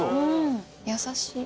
優しい。